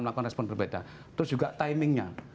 melakukan respon berbeda terus juga timing nya